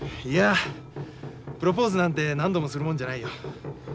いやプロポーズなんて何度もするもんじゃないよ。